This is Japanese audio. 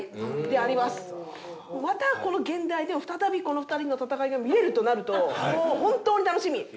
またこの現代で再びこの２人の戦いが見れるとなるともう本当に楽しみ。